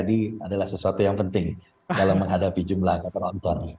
jadi ikhlas adalah sesuatu yang penting dalam menghadapi jumlah angka penonton